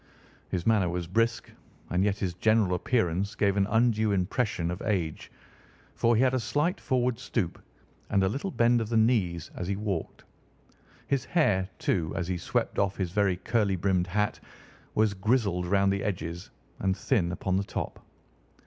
His manner was brisk, and yet his general appearance gave an undue impression of age, for he had a slight forward stoop and a little bend of the knees as he walked. His hair, too, as he swept off his very curly brimmed hat, was grizzled round the edges and thin upon the top.